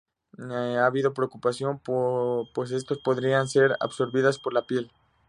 Ha habido preocupación pues estos podrían ser absorbidas por la piel.